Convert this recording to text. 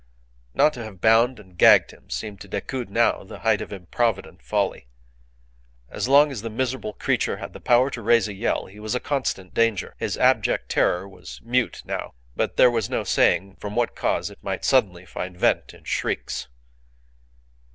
Not to have bound and gagged him seemed to Decoud now the height of improvident folly. As long as the miserable creature had the power to raise a yell he was a constant danger. His abject terror was mute now, but there was no saying from what cause it might suddenly find vent in shrieks.